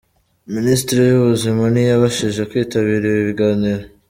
Minisiteri y’Ubuzima ntiyabashije kwitabira ibi biganiro.